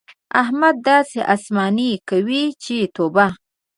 احمد داسې اسماني کوي چې توبه!